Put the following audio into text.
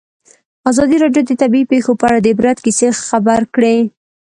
ازادي راډیو د طبیعي پېښې په اړه د عبرت کیسې خبر کړي.